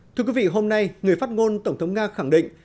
thưa quý vị hôm nay người phát ngôn tổng thống nga khẳng định